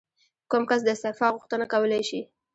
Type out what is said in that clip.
کوم کس د استعفا غوښتنه کولی شي؟